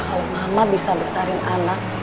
kalau mama bisa besarin anak